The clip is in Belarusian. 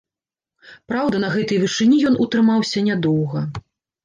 Праўда, на гэтай вышыні ён утрымаўся нядоўга.